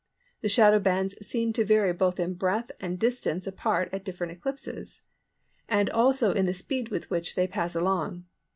The shadow bands seem to vary both in breadth and distance apart at different eclipses, and also in the speed with which they pass along.